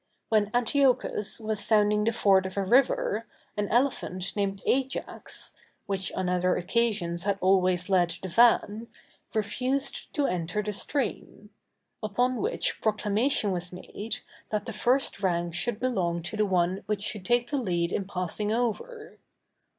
When Antiochus was sounding the ford of a river, an elephant named Ajax, which on other occasions had always led the van, refused to enter the stream; upon which proclamation was made, that the first rank should belong to the one which should take the lead in passing over.